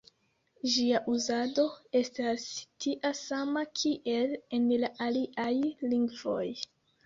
Ĝia uzado estas tia sama, kiel en la aliaj lingvoj.